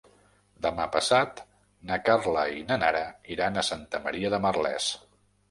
Demà passat na Carla i na Nara iran a Santa Maria de Merlès.